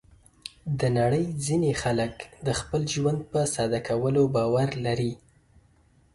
د نړۍ ځینې خلک د خپل ژوند په ساده کولو باور لري.